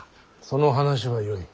その話はよい。